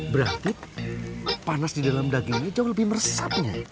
berarti panas di dalam dagingnya jauh lebih meresapnya